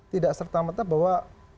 tidak serta merta bahwa